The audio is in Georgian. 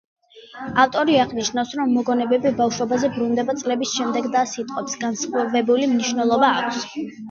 ავტორი აღნიშნავს, რომ მოგონებები ბავშვობაზე ბრუნდება წლების შემდეგ და სიტყვებს „განსხვავებული მნიშვნელობა აქვთ“.